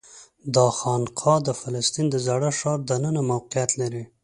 دا خانقاه د فلسطین د زاړه ښار دننه موقعیت لري.